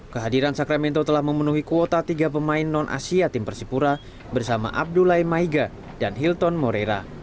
kehadiran sakramento telah memenuhi kuota tiga pemain non asia tim persipura bersama abdulai maiga dan hilton moreira